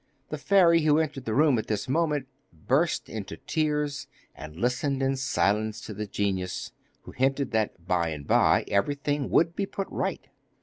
The fairy, who entered the room at this moment, burst into tears, and listened in silence to the genius, who hinted that by and by everything would be put right.